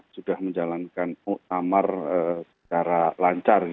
sudah menjalankan muktamar secara lancar